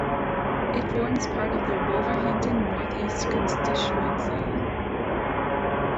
It forms part of the Wolverhampton North East constituency.